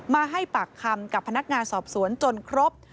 มาให้ปากคำกับพนักงานสอบสวนจนครบ